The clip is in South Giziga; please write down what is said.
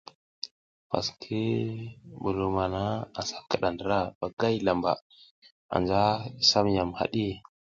Pas ngi mbulum hana asa kiɗa ndra vagay lamba, anja i sam yam haɗi.